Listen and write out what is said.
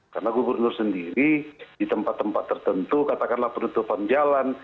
karena gubernur sendiri di tempat tempat tertentu katakanlah penutupan jalan